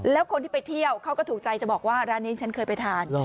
แล้วคนที่ไปเที่ยวเขาก็ถูกใจจะบอกว่าร้านนี้ฉันเคยไปทาน